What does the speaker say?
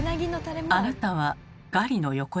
あなたはガリの横ですか？